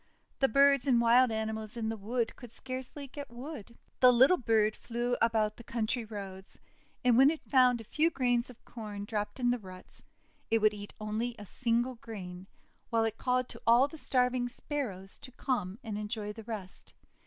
The birds and wild animals in the wood could scarcely get food. The little bird flew about the country roads, and, when it found a few grains of Corn dropped in the ruts, it would eat only a single grain, while it called to all the starving Sparrows to come and enjoy the rest.